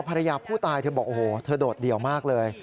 ภรรยาผู้ตายเธอบอกโอ้โหเธอโดดเดี่ยวมากเลย